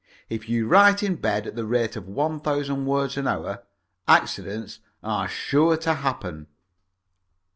If you write in bed at the rate of one thousand words an hour, accidents are sure to happen.